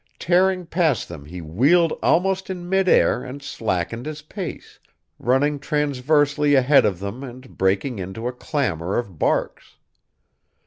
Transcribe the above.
Tearing past them he wheeled almost in midair and slackened his pace, running transversely ahead of them and breaking into a clamor of barks.